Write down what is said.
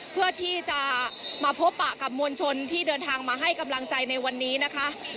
เพื่อที่จะมาพบปะกับมวลชนที่เดินทางมาให้กำลังใจในวันนี้นะคะ